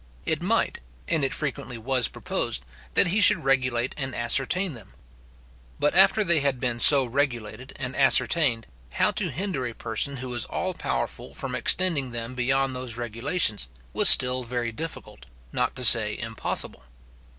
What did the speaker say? It might, and it frequently was proposed, that he should regulate and ascertain them. But after they had been so regulated and ascertained, how to hinder a person who was all powerful from extending them beyond those regulations, was still very difficult, not to say impossible.